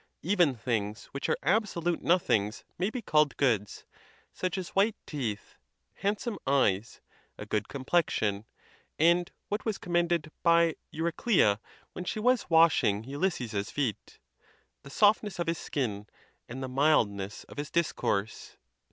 Even things which are abso lute nothings may be called goods; such as white teeth, handsome eyes, a good complexion, and what was com mended by Euryclea, when she was washing Ulysses's feet, the softness of his skin and the mildness of his discourse.